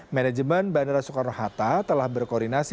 manajemen bandara soekarno hatta telah berkoordinasi